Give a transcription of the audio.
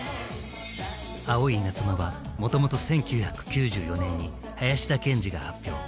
「青いイナズマ」はもともと１９９４年に林田健司が発表。